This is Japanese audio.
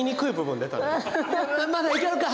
うんまだいけるか！